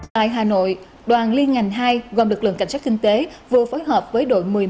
tại hà nội đoàn liên ngành hai gồm lực lượng cảnh sát kinh tế vừa phối hợp với đội một mươi một